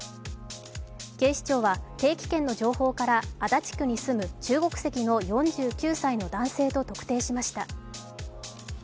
警視庁は、定期券の情報から足立区に住む中国籍の４９歳の男性と特定しました。